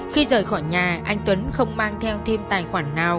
khi rời khỏi nhà anh tuấn không mang theo thêm tài khoản nào